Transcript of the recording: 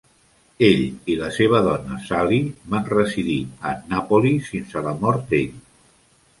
Ell i la seva dona, Sally, van residir a Annapolis fins a la mort d'ell.